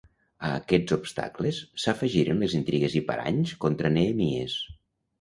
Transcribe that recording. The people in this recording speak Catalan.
A aquests obstacles s'afegiren les intrigues i paranys contra Nehemies.